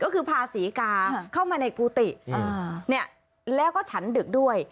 ก็คือพาศรีกาเข้ามาในกุฏิแล้วก็ฉันดึกด้วย